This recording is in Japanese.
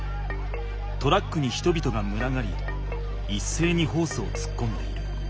トラックに人々がむらがりいっせいにホースをつっこんでいる。